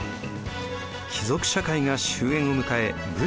貴族社会が終えんを迎え武士が台頭。